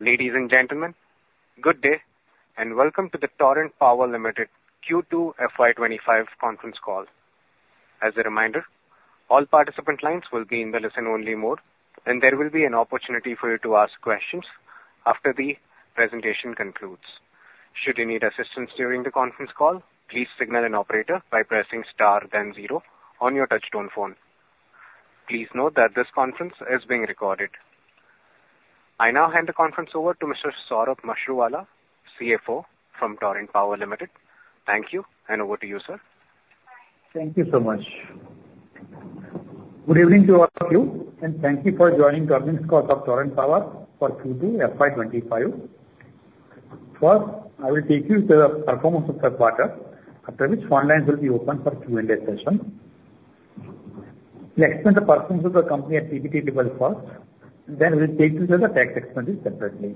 Ladies and gentlemen, good day and welcome to the Torrent Power Limited Q2 FY25 Conference Call. As a reminder, all participant lines will be in the listen-only mode, and there will be an opportunity for you to ask questions after the presentation concludes. Should you need assistance during the conference call, please signal an operator by pressing star then zero on your touch-tone phone. Please note that this conference is being recorded. I now hand the conference over to Mr. Saurabh Mashruwala, CFO from Torrent Power Limited. Thank you, and over to you, sir. Thank you so much. Good evening to all of you, and thank you for joining the conference call of Torrent Power for Q2 FY25. First, I will take you to the performance of the quarter, after which phone lines will be open for Q&A session. Next, the performance of the company at PBT level first, then we'll take you to the tax expenses separately.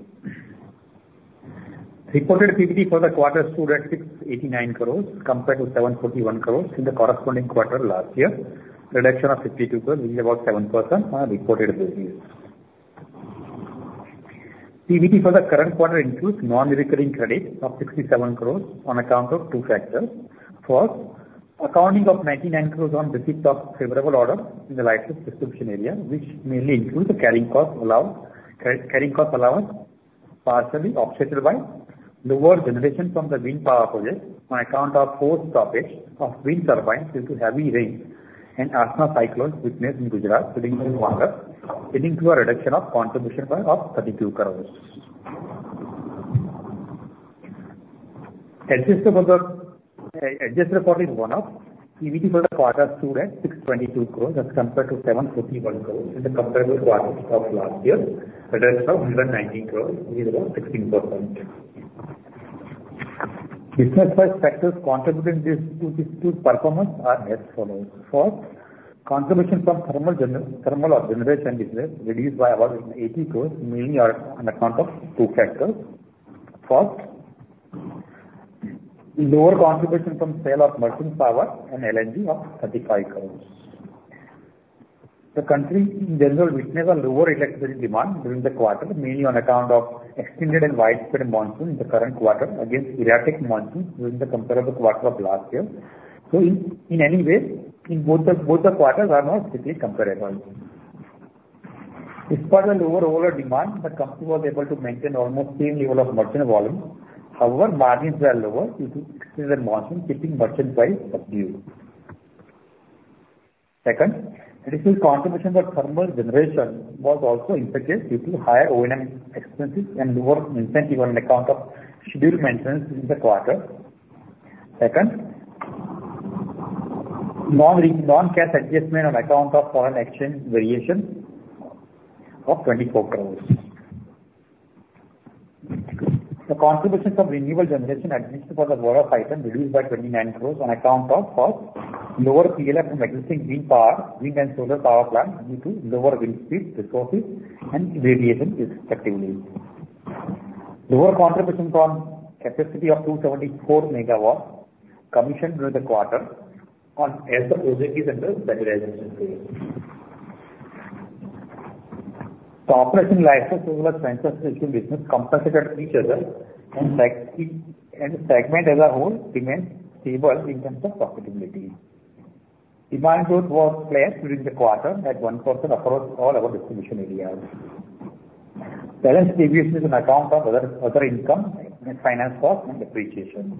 Reported PBT for the quarter stood at 689 crores compared to 741 crores in the corresponding quarter last year, a reduction of 52 crores which is about 7% on a reported basis. PBT for the current quarter includes non-recurring credit of 67 crores on account of two factors. First, accounting of 99 crores on receipt of favorable orders in the licensed distribution area, which mainly includes the carrying cost allowance, partially offset by lower generation from the wind power project on account of forced stoppage of wind turbines due to heavy rain and Cyclone Asna witnessed in Gujarat leading to a reduction of contribution by 32 crores. Adjusted reporting one-off, PBT for the quarter stood at 622 crores as compared to 741 crores in the comparable quarter of last year, a reduction of 119 crores, which is about 16%. Business-wise factors contributing to this performance are as follows. First, contribution from thermal or generation business reduced by about 80 crores, mainly on account of two factors. First, lower contribution from sale of merchant power and LNG of 35 crores. The country in general witnessed a lower electricity demand during the quarter, mainly on account of extended and widespread monsoons in the current quarter against periodic monsoons during the comparable quarter of last year. So in any way, both the quarters are not strictly comparable. Despite the lower power demand, the company was able to maintain almost same level of merchant volume. However, margins were lower due to extended monsoons, keeping merchant prices subdued. Second, additional contribution for thermal generation was also impacted due to higher O&M expenses and lower incentive on account of scheduled maintenance in the quarter. Second, non-cash adjustment on account of foreign exchange variation of 24 crores. The contribution from renewable generation amidst lower wind regime reduced by 29 crores on account of, first, lower PLF from existing wind power and solar power plant due to lower wind speed resources and radiation effectively. Lower contribution from capacity of 274 MW commissioned during the quarter as the project is under stabilization phase. The operating leverages in transmission business compensated each other, and the segment as a whole remained stable in terms of profitability. Demand growth was flat during the quarter at 1% across all our distribution areas. Balance deviation is on account of other income, finance costs, and depreciation.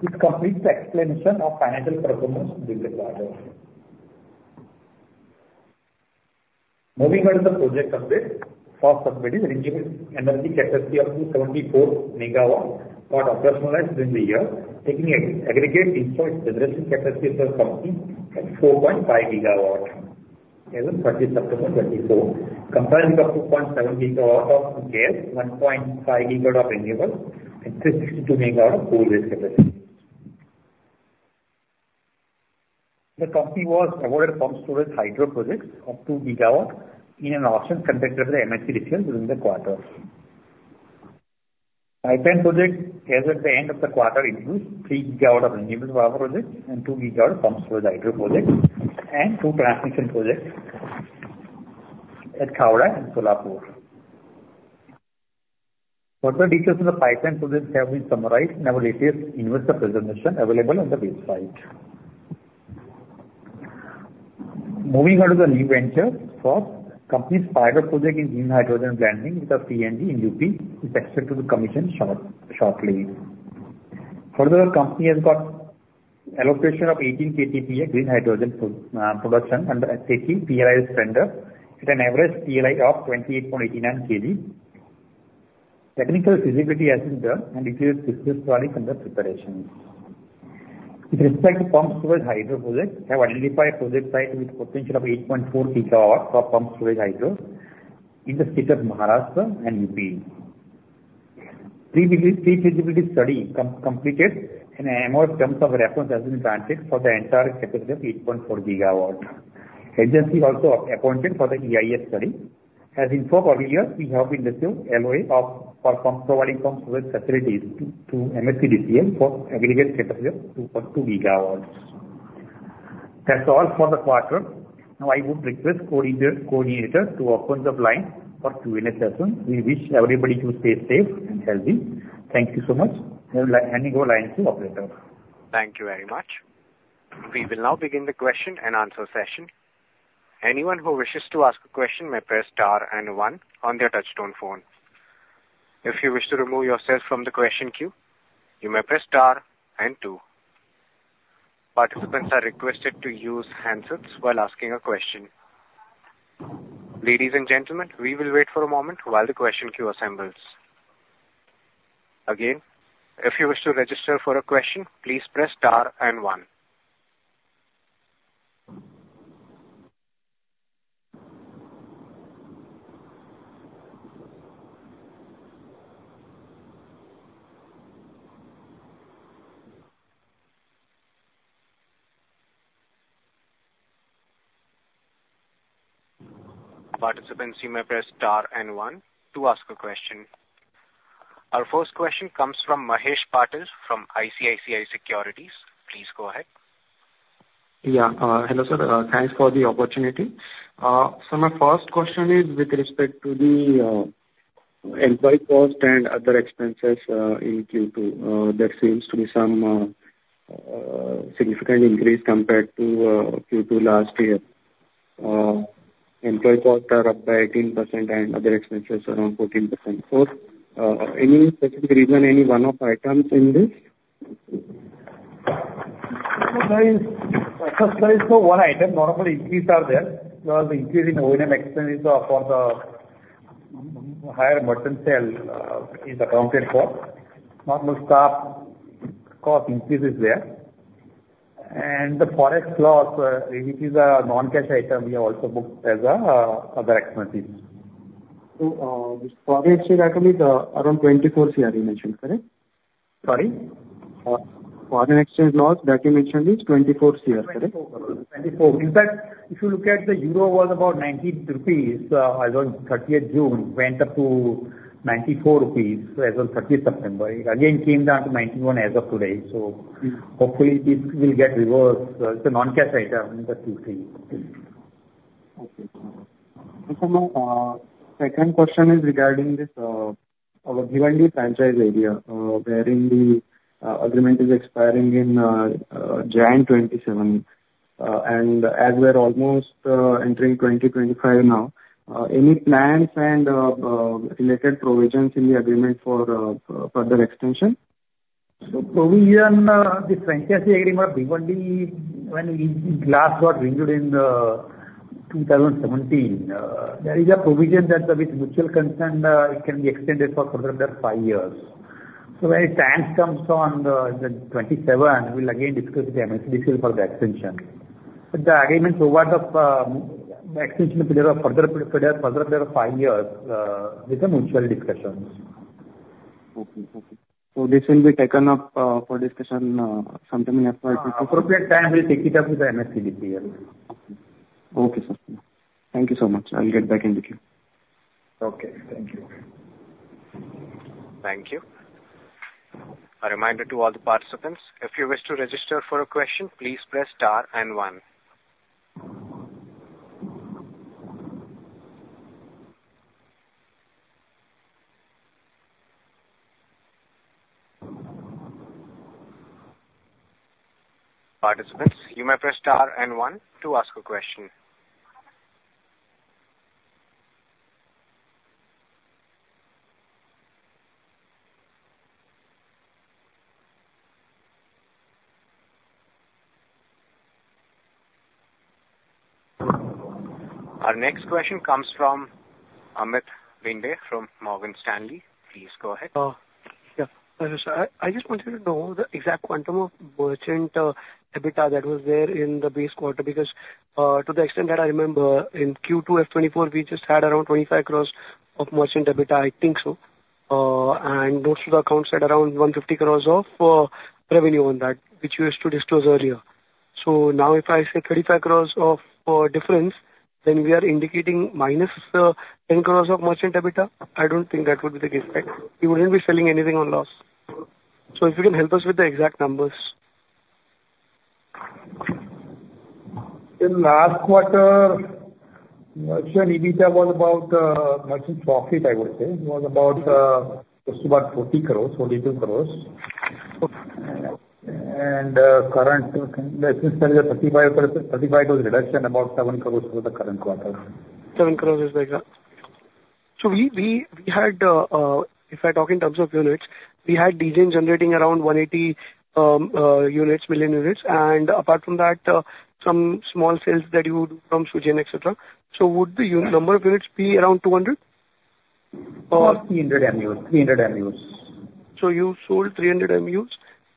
This completes the explanation of financial performance during the quarter. Moving on to the project update, first update is renewable energy capacity of 274 MW got operationalized during the year, taking aggregate installed generation capacity of the company at 4.5 GW as of 30 September 2024, comprising 2.7 GW of gas, 1.5 GW of renewables, and 362 MW of coal-based capacity. The company was awarded pumped storage hydro projects of 2 GW in an auction conducted by MSEDCL during the quarter. Pipeline projects as of the end of the quarter introduced 3 GW of renewable power projects and 2 GW of pumped storage hydro projects and two transmission projects at Khavda and Solapur. Further details of the pipeline projects have been summarized in our latest investor presentation available on the website. Moving on to the new venture, first, the company's pilot project in green hydrogen plant in UP with PNG is expected to be commissioned shortly. Further, the company has got allocation of 18 KTPA green hydrogen production under SIGHT PLI tender at an average PLI of 28.89 Rs/kg. Technical feasibility has been done and including business planning under preparation. With respect to pumped storage hydro project, we have identified project site with potential of 8.4 GW of pumped storage hydro in the state of Maharashtra and UP. Pre-feasibility study completed and MoEF terms of reference have been granted for the entire capacity of 8.4 GW. Agency also appointed for the EIA study. As in four earlier years, we have been receiving LOA for providing pumped storage facilities to MSEDCL for aggregate capacity of 2.2 GW. That's all for the quarter. Now I would request coordinator to open the line for Q&A session. We wish everybody to stay safe and healthy. Thank you so much. I will hand over the line to operator. Thank you very much. We will now begin the question and answer session. Anyone who wishes to ask a question may press star and one on their touch-tone phone. If you wish to remove yourself from the question queue, you may press star and two. Participants are requested to use handsets while asking a question. Ladies and gentlemen, we will wait for a moment while the question queue assembles. Again, if you wish to register for a question, please press star and one. Participants may press star and one to ask a question. Our first question comes from Mahesh Patil from ICICI Securities. Please go ahead. Yeah, hello sir. Thanks for the opportunity. So my first question is with respect to the employee cost and other expenses in Q2. There seems to be some significant increase compared to Q2 last year. Employee cost are up by 18% and other expenses around 14%. So any specific reason, any one-off items in this? First, there is no one item. Normal increases are there. There was increase in O&M expenses for the higher merchant sales accounted for. Normal staff cost increase is there. The forex loss, which is a non-cash item, we have also booked as other expenses. So the forex share item is around 24 crore, you mentioned, correct? Sorry. Foreign exchange loss, that you mentioned is 24 crore, correct? In fact, if you look at the euro was about 90 rupees as of 30th June, went up to 94 rupees as of 30th September. It again came down to 91 as of today. So hopefully this will get reversed. It's a non-cash item in the Q3. Okay. Second question is regarding this Bhiwandi franchise area wherein the agreement is expiring in January 2027, and as we are almost entering 2025 now, any plans and related provisions in the agreement for further extension? Provision, the franchisee agreement of Bhiwandi when it last got renewed in 2017, there is a provision that with mutual consent, it can be extended for further than five years. When the time comes on the 27, we'll again discuss with MSEDCL for the extension. The agreement provides of extension period of further period of five years with the mutual discussions. Okay. Okay, so this will be taken up for discussion sometime in the next quarter. Appropriate time, we'll take it up with MSEDCL. Okay. Okay, sir. Thank you so much. I'll get back in the queue. Okay. Thank you. Thank you. A reminder to all the participants, if you wish to register for a question, please press star and one. Participants, you may press star and one to ask a question. Our next question comes from Amit Bhinde from Morgan Stanley. Please go ahead. Yeah. I just wanted to know the exact quantum of merchant EBITDA that was there in the base quarter because to the extent that I remember, in Q2 FY24, we just had around 25 crores of merchant EBITDA, I think so. And most of the accounts had around 150 crores of revenue on that, which we used to disclose earlier. So now if I say 35 crores of difference, then we are indicating -10 crores of merchant EBITDA. I don't think that would be the case, right? We wouldn't be selling anything on loss. So if you can help us with the exact numbers. In last quarter, merchant EBITDA was about merchant profit, I would say. It was about just about 40 crores, 42 crores. And current, I think there is a 35 crores reduction about 7 crores for the current quarter. 7 crores is the exact. So if I talk in terms of units, we had DGEN generating around 180 units, million units. And apart from that, some small sales that you would do from SUGEN, etc. So would the number of units be around 200? About 300 MUs. 300 MUs. You sold 300 MUs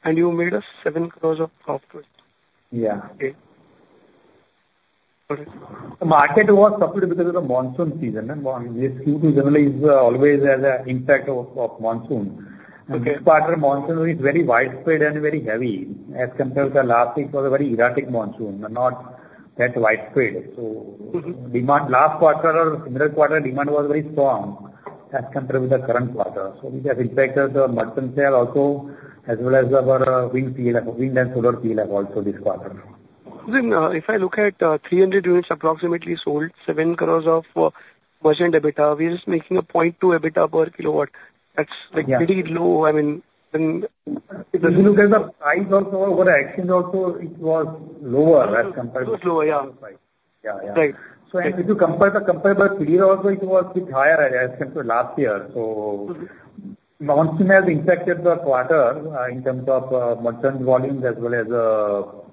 and you made 7 crores of profit. Yeah. Okay. Got it. The market was suffered because of the monsoon season. This Q2 generally is always as an impact of monsoon. And this quarter, monsoon is very widespread and very heavy as compared to last year was a very erratic monsoon, not that widespread. So last quarter or similar quarter, demand was very strong as compared with the current quarter. So this has impacted the merchant sale also, as well as our wind and solar field have also this quarter. If I look at 300 units approximately sold, 7 crores of merchant EBITDA, we are just making a 0.2 EBITDA per kilowatt. That's pretty low. I mean, when. If you look at the price also, over the auctions also, it was lower as compared. It was lower, yeah. Yeah, yeah. Right. So if you compare the comparable period also, it was a bit higher as compared to last year. So monsoon has impacted the quarter in terms of merchant volumes as well as PLF,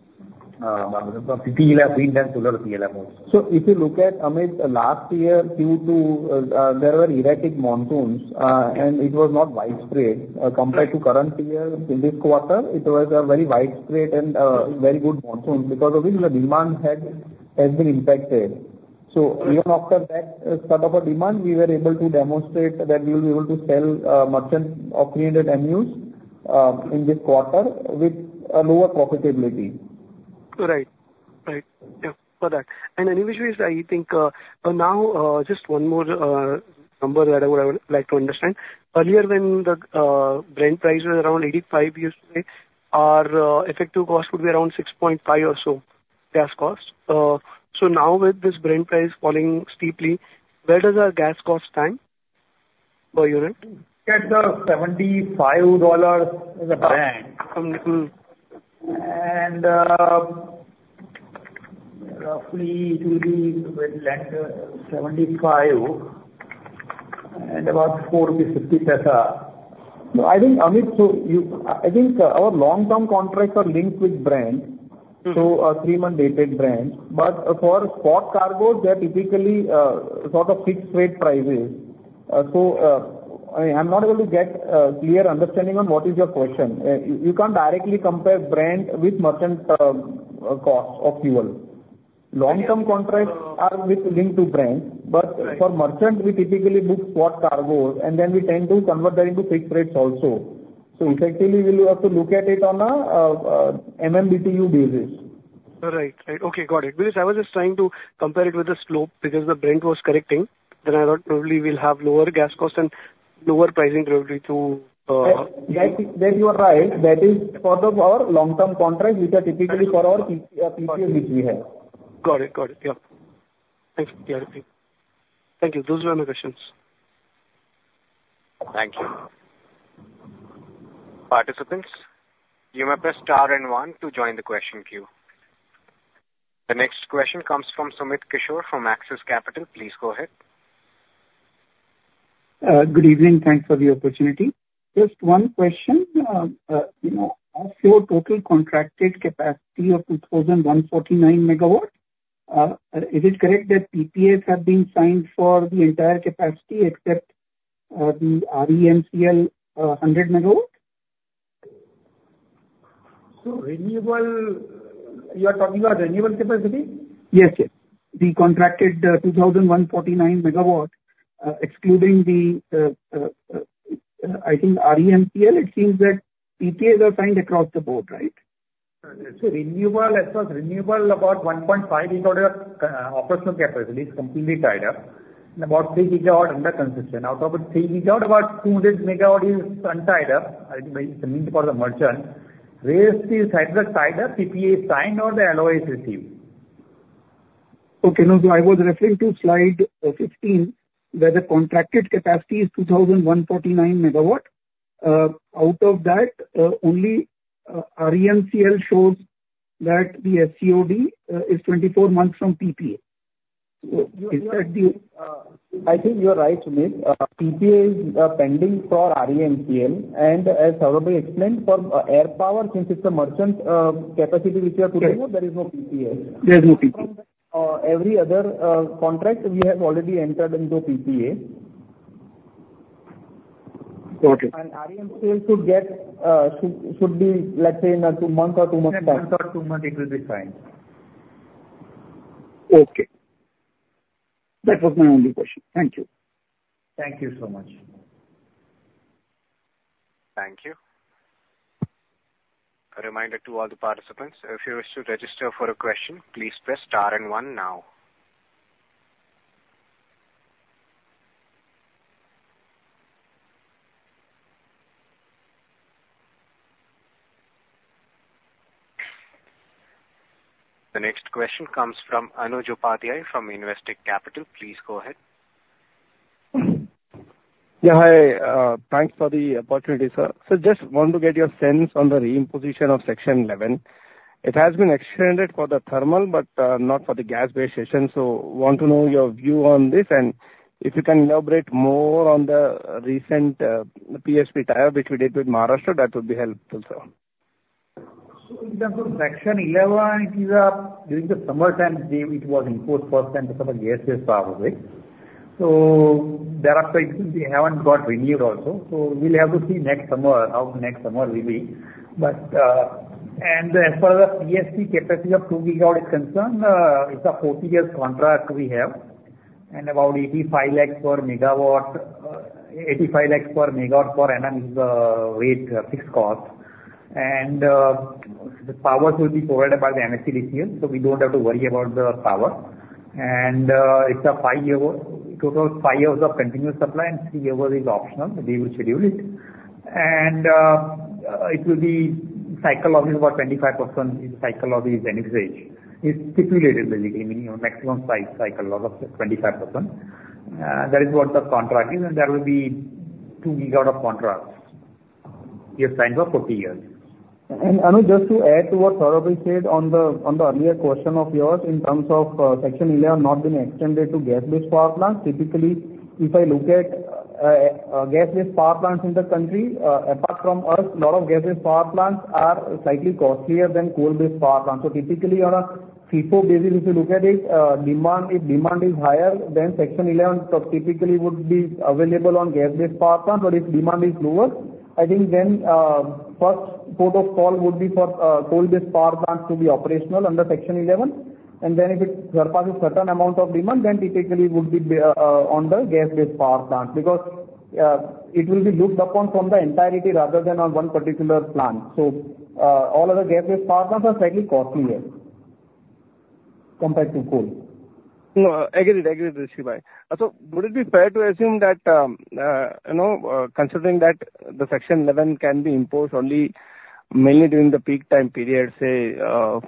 wind and solar PLF also. So if you look at Amit, last year, Q2, there were erratic monsoons and it was not widespread. Compared to current year, in this quarter, it was a very widespread and very good monsoon because of which the demand has been impacted. So even after that sort of a demand, we were able to demonstrate that we will be able to sell merchant of 300 MUs in this quarter with a lower profitability. And anyways, I think now just one more number that I would like to understand. Earlier when the Brent price was around $85, our effective cost would be around 6.5 or so gas cost. So now with this Brent price falling steeply, where does our gas cost stand per unit? That's $75 a Brent. And roughly it will land at $75 and about 4.50. I think, Amit, so I think our long-term contracts are linked with Brent, so three-month dated Brent. But for spot cargoes, they are typically sort of fixed rate prices. So I'm not able to get a clear understanding on what is your question. You can't directly compare Brent with merchant cost of fuel. Long-term contracts are linked to Brent. But for merchant, we typically book spot cargoes and then we tend to convert that into fixed rates also. So effectively, we will have to look at it on a MMBTU basis. Right. Right. Okay. Got it. Because I was just trying to compare it with the slope because the Brent was correcting. Then I thought probably we'll have lower gas cost and lower pricing probably too. Yes, you are right. That is for our long-term contracts, which are typically for our PPAs which we have. Got it. Got it. Yeah. Thank you. Thank you. Those were my questions. Thank you. Participants, you may press star and one to join the question queue. The next question comes from Sumit Kishore from Axis Capital. Please go ahead. Good evening. Thanks for the opportunity. Just one question. Of your total contracted capacity of 2,149 MW, is it correct that PPAs have been signed for the entire capacity except the REMCL 100 MW? Renewable, you are talking about renewable capacity? Yes, yes. The contracted 2,149 MW, excluding the, I think, REMCL, it seems that PPS are signed across the board, right? In renewables, about 1.5 GW of operational capacity is completely tied up. And about 3 GW under construction. Out of the 3 GW, about 200 MW is not tied up, meaning for the merchant. Where is this hydro tied up? PPA signed or the LOA is received? Okay. No, so I was referring to slide 15 where the contracted capacity is 2,149 MW. Out of that, only REMCL shows that the SCOD is 24 months from PPA. So is that the? I think you are right, Sumit. PPA is pending for REMCL. And as I explained, for wind power, since it's a merchant capacity which we are putting up, there is no PPA. There is no PPA. Every other contract, we have already entered into PPA. Got it. REMCL should be, let's say, in a two-month or two-month time. In a month or two months, it will be signed. Okay. That was my only question. Thank you. Thank you so much. Thank you. A reminder to all the participants, if you wish to register for a question, please press star and one now. The next question comes from Anuj Upadhyay from Investec Capital. Please go ahead. Yeah, hi. Thanks for the opportunity, sir. So just want to get your sense on the reimposition of Section 11. It has been extended for the thermal, but not for the gas-based section. So want to know your view on this. And if you can elaborate more on the recent PSP tie-up, which we did with Maharashtra, that would be helpful, sir. So Section 11, it is a during the summertime, it was imposed first and second years as far as I think. So there are quite we haven't got renewed also. So we'll have to see next summer how next summer will be. But as far as the PSP capacity of 2 GW is concerned, it's a 40-year contract we have. And about 85 lakhs per MW, 85 lakhs per MW per annum is the rate fixed cost. And the power will be provided by the MSEDCL. So we don't have to worry about the power. And it's a total of five years of continuous supply and three years is optional. They will schedule it. And it will be cycle of about 25% cycle of this energy stage. It's stipulated, basically, meaning maximum cycle of 25%. That is what the contract is. And there will be 2 GW of contracts. You sign for 40 years, and Anuj, just to add to what Torrent said on the earlier question of yours in terms of Section 11 not being extended to gas-based power plants. Typically, if I look at gas-based power plants in the country, apart from us, a lot of gas-based power plants are slightly costlier than coal-based power plants, so typically, on a FIFO basis, if you look at it, if demand is higher, then Section 11 typically would be available on gas-based power plants, but if demand is lower, I think then first port of call would be for coal-based power plants to be operational under Section 11, and then if it surpasses a certain amount of demand, then typically it would be on the gas-based power plant because it will be looked upon from the entirety rather than on one particular plant. So all other gas-based power plants are slightly costlier compared to coal. No, I get it. I get it, Rishi Bhai. So would it be fair to assume that, considering that the Section 11 can be imposed only mainly during the peak time period, say,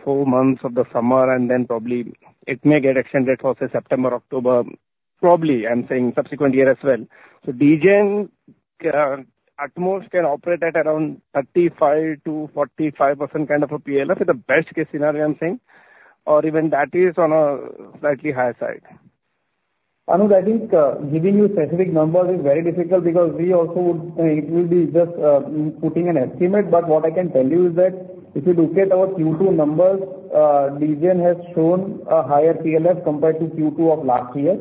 four months of the summer, and then probably it may get extended for, say, September, October, probably, I'm saying, subsequent year as well. So DGEN at most can operate at around 35%-45% kind of a PLF in the best case scenario, I'm saying. Or even that is on a slightly higher side. Anuj, I think giving you specific numbers is very difficult because we also would, it will be just putting an estimate. But what I can tell you is that if you look at our Q2 numbers, DGEN has shown a higher PLF compared to Q2 of last year.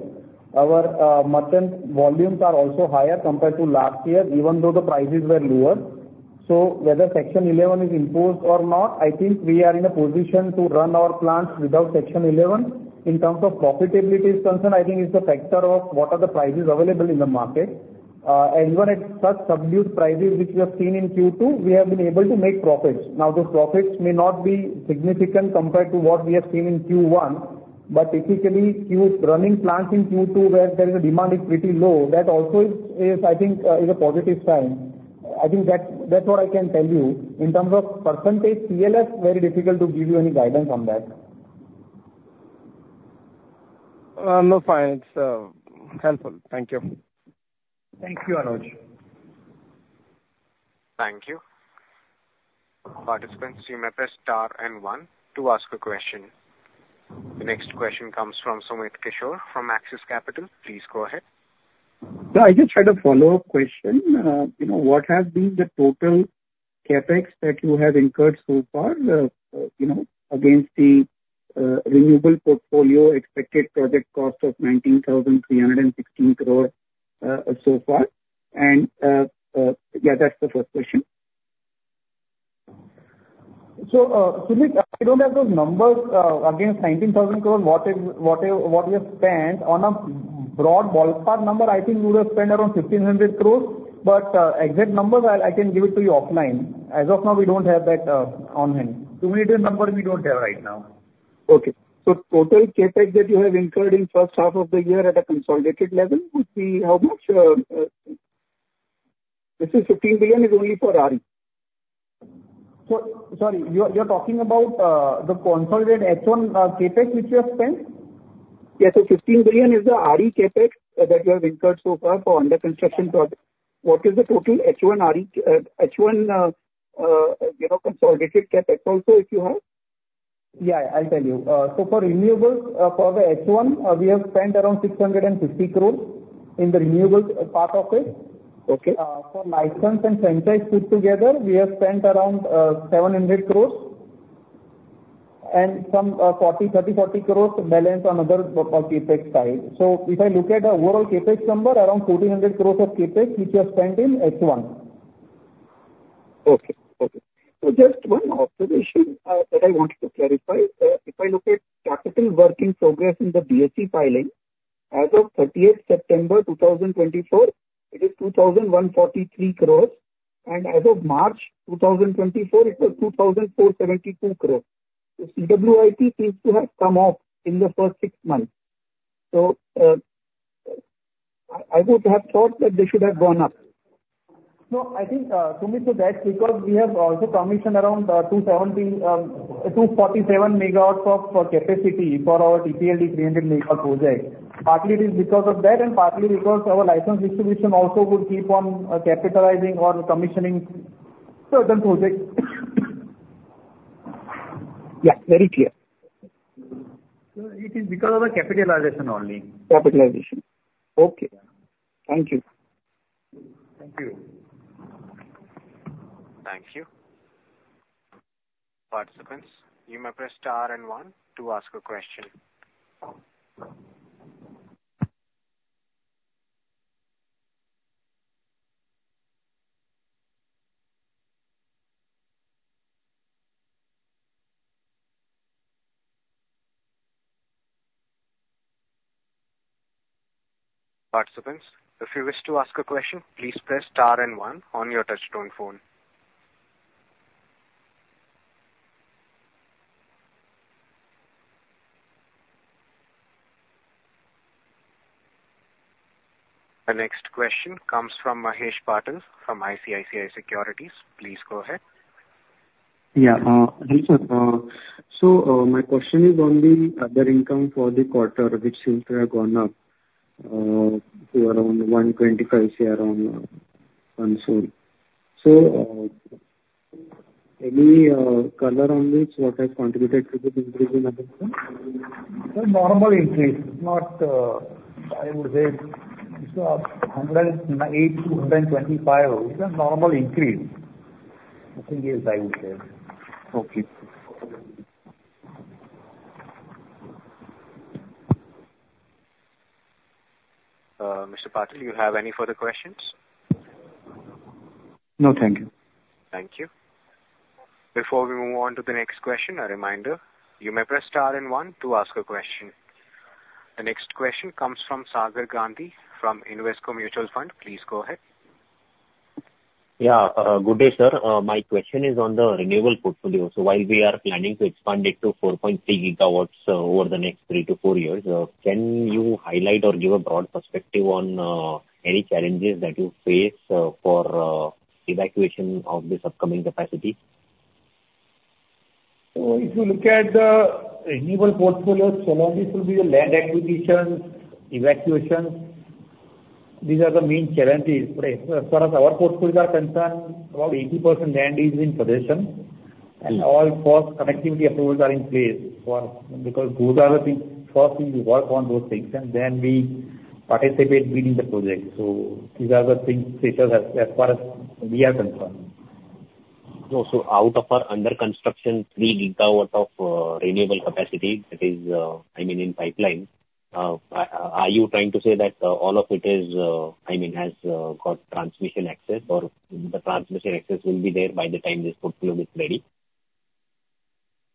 Our merchant volumes are also higher compared to last year, even though the prices were lower. So whether Section 11 is imposed or not, I think we are in a position to run our plants without Section 11. In terms of profitability is concerned, I think it's a factor of what are the prices available in the market. And even at such subdued prices, which we have seen in Q2, we have been able to make profits. Now, those profits may not be significant compared to what we have seen in Q1. But typically, running plants in Q2 where there is a demand is pretty low, that also is, I think, a positive sign. I think that's what I can tell you. In terms of percentage PLF, very difficult to give you any guidance on that. No, fine. It's helpful. Thank you. Thank you, Anuj. Thank you. Participants, you may press star and one to ask a question. The next question comes from Sumit Kishore from Axis Capital. Please go ahead. I just had a follow-up question. What has been the total CapEx that you have incurred so far against the renewable portfolio expected project cost of 19,316 crore so far? And yeah, that's the first question. Sumit, I don't have those numbers. Against 19,000 crore, what we have spent on a broad ballpark number, I think we would have spent around 1,500 crore. But exact numbers, I can give it to you offline. As of now, we don't have that on hand. Too many numbers, we don't have right now. Okay. Total CapEx that you have incurred in the first half of the year at a consolidated level would be how much? This, 15 billion, is only for RE. Sorry, you are talking about the consolidated H1 CapEx which you have spent? Yes. So 15 billion is the RE CapEx that you have incurred so far for under construction projects. What is the total H1 consolidated CapEx also, if you have? Yeah, I'll tell you. So for renewables, for the H1, we have spent around 650 crore in the renewables part of it. For license and franchise put together, we have spent around 700 crore. And some 30-40 crore balance on other CapEx side. So if I look at the overall CapEx number, around 1,400 crore of CapEx which you have spent in H1. Okay. Okay. So just one observation that I wanted to clarify. If I look at Capital Work in Progress in the BSE filing, as of 30 September 2024, it is 2,143 crore. And as of March 2024, it was 2,472 crore. So CWIP seems to have come off in the first six months. So I would have thought that they should have gone up. No, I think, Sumit, that's because we have also commissioned around 247 MW of capacity for our TPLD 300 MW project. Partly it is because of that, and partly because our license distribution also would keep on capitalizing or commissioning certain projects. Yeah, very clear. So it is because of the capitalization only. Capitalization. Okay. Thank you. Thank you. Thank you. Participants, you may press star and one to ask a question. Participants, if you wish to ask a question, please press star and one on your touch-tone phone. The next question comes from Mahesh Patil from ICICI Securities. Please go ahead. Yeah. Hi, sir. So my question is on the other income for the quarter, which seems to have gone up to around 125, say, around 140. So any color on this, what has contributed to this increase in the income? It's a normal increase. It's not, I would say, 108, 225. It's a normal increase. I think yes, I would say. Okay. Mr. Patil, do you have any further questions? No, thank you. Thank you. Before we move on to the next question, a reminder, you may press star and one to ask a question. The next question comes from Sagar Gandhi from Invesco Mutual Fund. Please go ahead. Yeah, good day, sir. My question is on the renewable portfolio. So while we are planning to expand it to 4.3 GW over the next three to four years, can you highlight or give a broad perspective on any challenges that you face for evacuation of this upcoming capacity? If you look at the renewable portfolio, challenges will be the land acquisition, evacuation. These are the main challenges. As far as our portfolio are concerned, about 80% land is in possession. And all grid connectivity approvals are in place because those are the things, first thing we work on those things. And then we participate in the project. These are the things as far as we are concerned. Out of our under construction 3 GW of renewable capacity, that is, I mean, in pipeline. Are you trying to say that all of it is, I mean, has got transmission access or the transmission access will be there by the time this portfolio gets ready?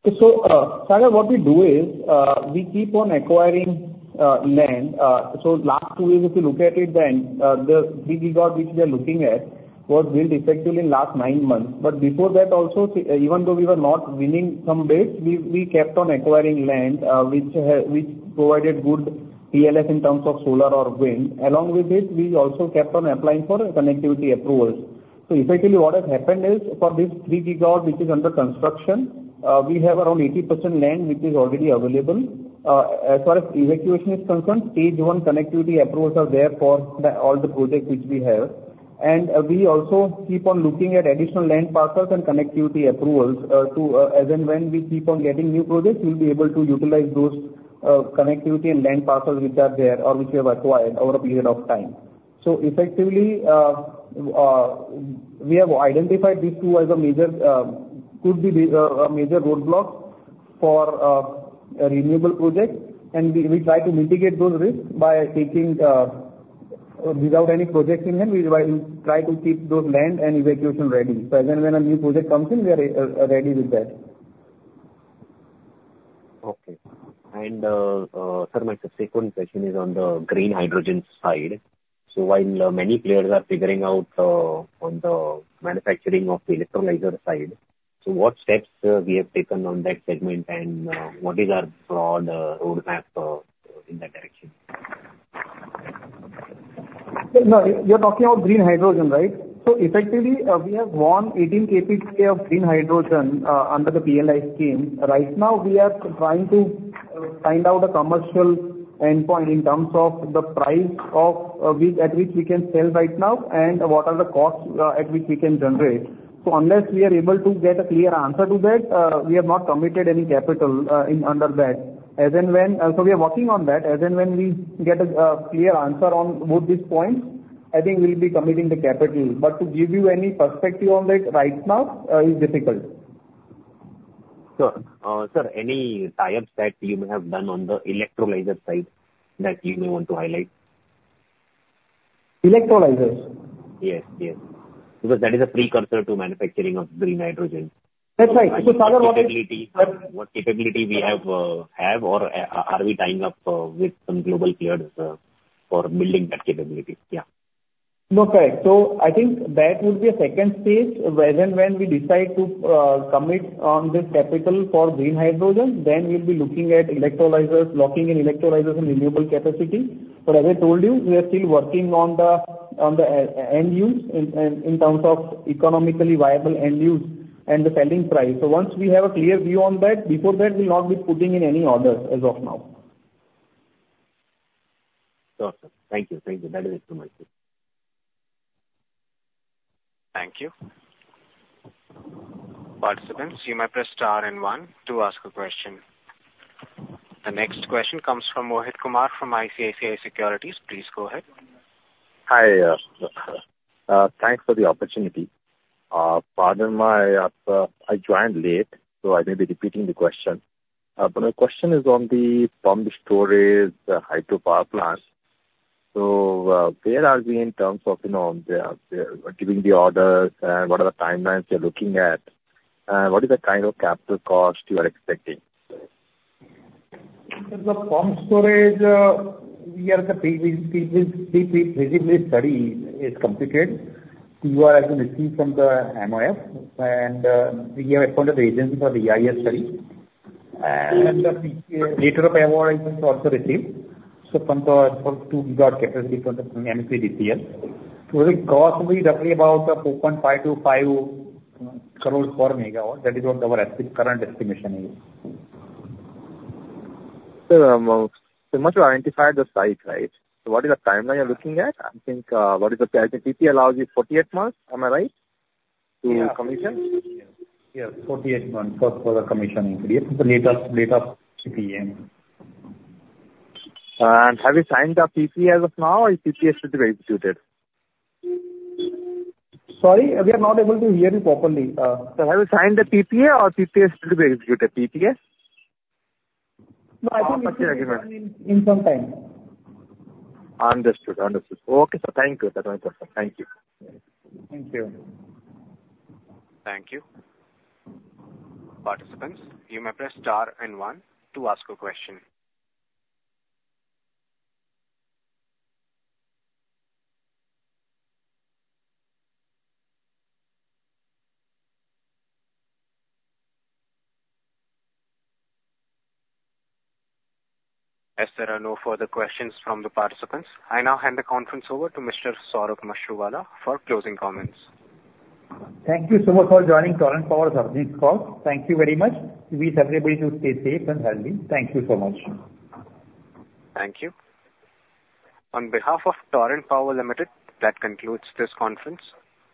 So what we do is we keep on acquiring land. So last two years, if you look at it, then the 3 GW which we are looking at was built effectively in the last nine months. But before that also, even though we were not winning some bids, we kept on acquiring land which provided good PLF in terms of solar or wind. Along with it, we also kept on applying for connectivity approvals. So effectively, what has happened is for this 3 GW which is under construction, we have around 80% land which is already available. As far as evacuation is concerned, stage one connectivity approvals are there for all the projects which we have. We also keep on looking at additional land parcels and connectivity approvals as and when we keep on getting new projects. We'll be able to utilize those connectivity and land parcels which are there or which we have acquired over a period of time. Effectively, we have identified these two as could be a major roadblock for renewable projects. We try to mitigate those risks by taking without any projects in hand. We try to keep those land and evacuation ready. As and when a new project comes in, we are ready with that. Okay, and sir, my subsequent question is on the green hydrogen side, so while many players are figuring out on the manufacturing of the electrolyzer side, so what steps we have taken on that segment and what is our broad roadmap in that direction? You're talking about green hydrogen, right? So effectively, we have won 18 KTPA of green hydrogen under the PLI scheme. Right now, we are trying to find out a commercial endpoint in terms of the price at which we can sell right now and what are the costs at which we can generate. So unless we are able to get a clear answer to that, we have not committed any capital under that. As and when, so we are working on that. As and when we get a clear answer on both these points, I think we'll be committing the capital. But to give you any perspective on that right now is difficult. Sir, any tie-ups that you may have done on the electrolyzer side that you may want to highlight? Electrolyzers? Yes, yes. Because that is a precursor to manufacturing of green hydrogen. That's right. So what capability we have or are we tying up with some global players for building that capability? Yeah. Okay, so I think that would be a second stage. As and when we decide to commit on this capital for green hydrogen, then we'll be looking at electrolyzers, locking in electrolyzers and renewable capacity. But as I told you, we are still working on the end use in terms of economically viable end use and the selling price, so once we have a clear view on that, before that, we'll not be putting in any orders as of now. Got it. Thank you. Thank you. That is it, Sumit. Thank you. Participants, you may press star and one to ask a question. The next question comes from Mohit Kumar from ICICI Securities. Please go ahead. Hi. Thanks for the opportunity. Pardon me, I joined late, so I may be repeating the question. But my question is on the pumped storage, the hydro power plants. So where are we in terms of giving the orders and what are the timelines you're looking at? What is the kind of capital cost you are expecting? The pumped storage we are at, the feasibility study is completed. TOR receiving from the MoEF, and we have appointed the agency for the EIA study. And the letter of award is also received. So from the 2 GW capacity from the MSEDCL. So the cost will be roughly about 4.5-5 crore per MW. That is what our current estimation is. Sir, once you identify the site, right, so what is the timeline you're looking at? I think what is the PSP allows you 48 months? Am I right? To commission? Yes. 48 months for the commissioning. Yes, the date of PPA. Have you signed the PPA as of now, or is PPA still to be executed? Sorry? We are not able to hear you properly. So, have you signed the PPA or PPA still to be executed? PPA? No, I think we signed in some time. Understood. Understood. Okay. So thank you. That's my question. Thank you. Thank you. Thank you. Participants, you may press star and one to ask a question. If there are no further questions from the participants, I now hand the conference over to Mr. Saurabh Mashruwala for closing comments. Thank you so much for joining Torrent Power's this call. Thank you very much. Wish everybody to stay safe and healthy. Thank you so much. Thank you. On behalf of Torrent Power Limited, that concludes this conference.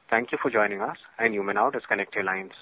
Thank you for joining us, and you may now disconnect your lines.